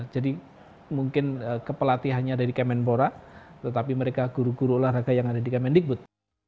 jadi mungkin kepelatihannya ada di kemenbora tetapi mereka guru guru olahraga yang ada di kemen digput